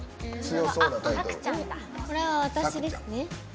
これは私ですね。